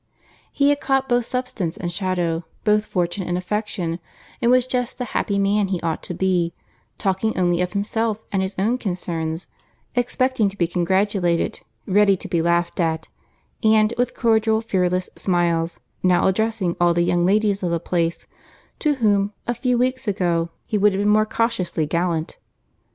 He had caught both substance and shadow—both fortune and affection, and was just the happy man he ought to be; talking only of himself and his own concerns—expecting to be congratulated—ready to be laughed at—and, with cordial, fearless smiles, now addressing all the young ladies of the place, to whom, a few weeks ago, he would have been more cautiously gallant.